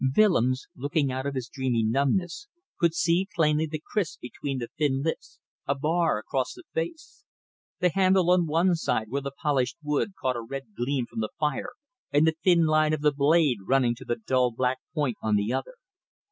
Willems, looking out of his dreamy numbness, could see plainly the kriss between the thin lips, a bar across the face; the handle on one side where the polished wood caught a red gleam from the fire and the thin line of the blade running to a dull black point on the other.